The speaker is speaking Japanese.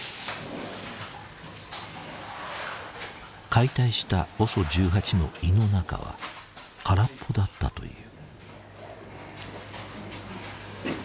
解体したＯＳＯ１８の胃の中は空っぽだったという。